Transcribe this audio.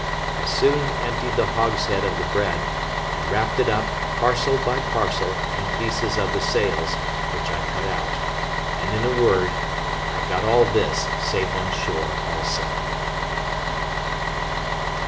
I soon emptied the hogshead of the bread, and wrapped it up, parcel by parcel, in pieces of the sails, which I cut out; and, in a word, I got all this safe on shore also.